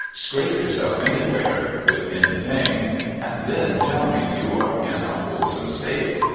Scrape yourself anywhere — with anything — and then tell me you are in a wholesome state.